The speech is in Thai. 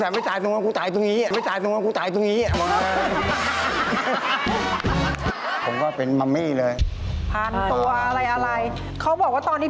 มันคิดว่าตายจริงใช่ไหม